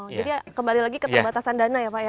jadi kembali lagi keterbatasan dana ya pak ya